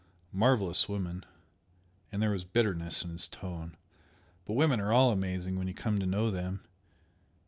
"Marvellous woman!" and there was bitterness in his tone "But women are all amazing when you come to know them!